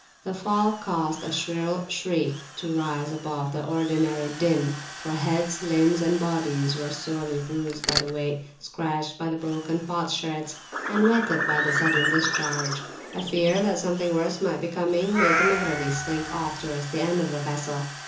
The fall caused a shriller shriek to rise above the ordinary din, for heads, limbs, and bodies were sorely bruised by the weight, scratched by the broken potsherds, and wetted by the sudden discharge. A fear that something worse might be coming made the Maghrabis slink off towards the end of the vessel.